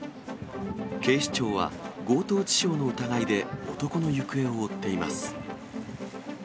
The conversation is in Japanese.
警視庁は、強盗致傷の疑いで男の行方を追っています。